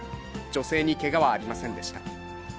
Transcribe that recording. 女性にけがはありませんでした。